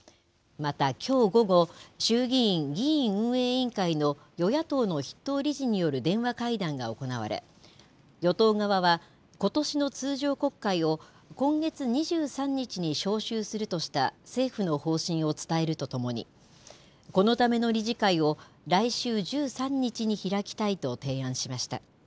また、きょう午後、衆議院議院運営委員会の与野党の筆頭理事による電話会談が行われ、与党側はことしの通常国会を今月２３日に召集するとした政府の方針を伝えるとともに、このための理事会を来週１３日に開きたいと提案しました。